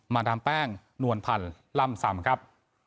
มาดำแป้งนวลพันธุ์ลำส่ำครับ